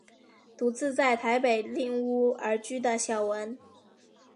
独自在台北赁屋而居的小文。